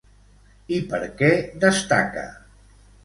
I per què destaca?